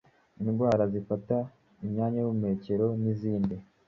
indwara zifata imyanya y’ubuhumekero n’izindi.